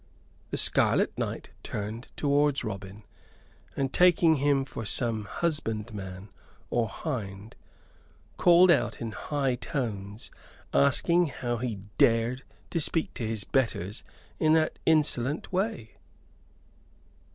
The scarlet knight turned towards Robin, and, taking him for some husbandman or hind, called out in high tones, asking how he dared to speak to his betters in that insolent way.